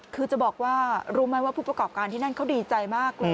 คือจะบอกว่ารู้ไหมว่าผู้ประกอบการที่นั่นเขาดีใจมากเลย